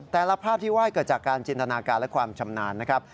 ภาพที่ไห้เกิดจากการจินตนาการและความชำนาญนะครับ